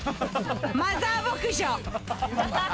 マザー牧場。